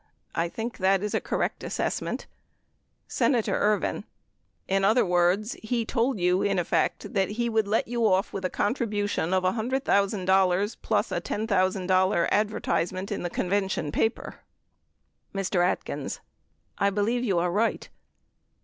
I think that is a correct assessment. Senator Ervin. In other words, he told you in effect that he would let you off with a contribution of $100,000 plus a $10,000 advertisement in the convention paper. Mr. Atkins. I believe you are right.